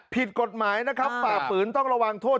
ผิดกฎหมายนะครับฝ่าฝืนต้องระวังโทษ